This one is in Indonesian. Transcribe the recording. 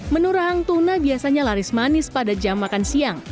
menu rahang tuna biasanya laris manis pada jam makan siang